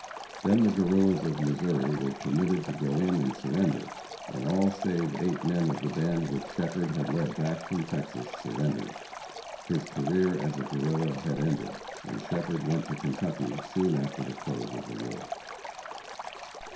Then the Guerrillas of Missouri were permitted to go in and surrender, and all save eight men of the band which Shepherd had led back from Texas surrendered. His career as a Guerrilla had ended, and Shepherd went to Kentucky soon after the close of the war.